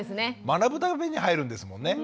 学ぶために入るんですもんね。